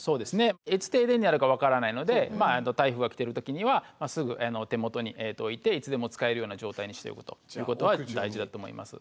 いつ停電になるか分からないので台風が来てる時にはすぐ手元に置いていつでも使えるような状態にしておくということは大事だと思います。